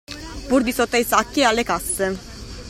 Pur di sotto ai sacchi e alle casse.